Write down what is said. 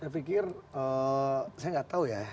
saya pikir saya nggak tahu ya